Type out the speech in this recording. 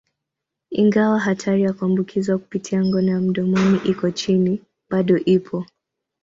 Ingawa hatari ya kuambukizwa kupitia ngono ya mdomoni iko chini, bado ipo.